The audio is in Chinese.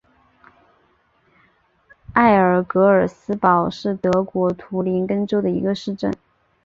埃尔格尔斯堡是德国图林根州的一个市镇。